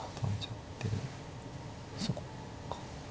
そっか。